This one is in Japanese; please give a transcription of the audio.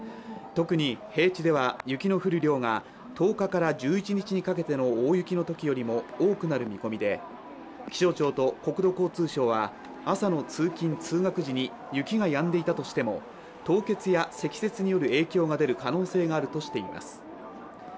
特に、平地では雪の降る量が１０日から１１日にかけての大雪のときよりも多くなる見込みで、気象庁と国土交通省は朝の通勤・通学時に、雪がやんでいたとしても凍結や積雪による影響が出る可能性があるとしています。